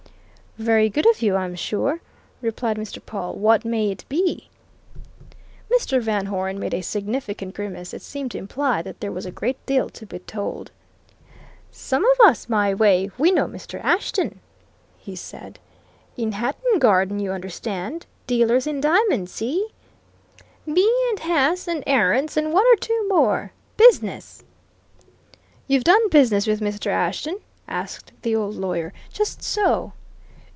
"Very good of you, I'm sure," replied Mr. Pawle. "What may it be?" Mr. Van Hoeren made a significant grimace; it seemed to imply that there was a great deal to be told. "Some of us, my way, we know Mr. Ashton," he said. "In Hatton Garden, you understand. Dealers in diamonds, see? Me, and Haas, and Aarons, and one or two more. Business!" "You've done business with Mr. Ashton?" asked the old lawyer. "Just so!"